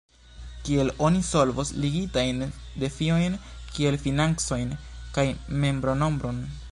Kiel oni solvos ligitajn defiojn kiel financojn kaj membronombron?